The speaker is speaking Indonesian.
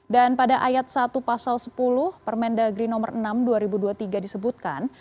dan pada ayat satu pasal sepuluh permendagri nomor enam dua ribu dua puluh tiga disebutkan